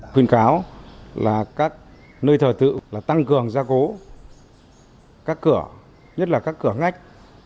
quyền cáo là các nơi thờ tự tăng cường gia cố các cửa nhất là các cửa ngách